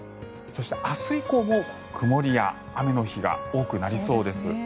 そして、明日以降も曇りや雨の日が多くなりそうです。